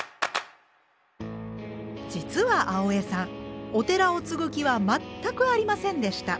実は青江さんお寺を継ぐ気は全くありませんでした。